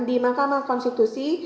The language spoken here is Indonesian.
di mahkamah konstitusi